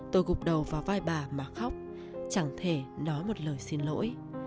tôi gục đầu vào vai bà mà khóc chẳng thể nói một lời xin lỗi